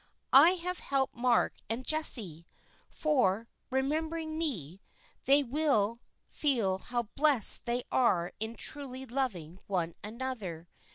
I have helped Mark and Jessie, for, remembering me, they will feel how blest they are in truly loving one another.